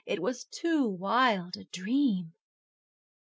It was too wild a dream.